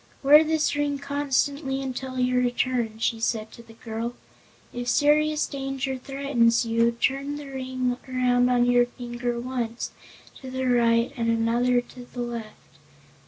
"Wear this ring constantly until your return," she said to the girl. "If serious danger threatens you, turn the ring around on your finger once to the right and another turn to the left.